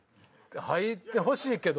入ってほしいけど。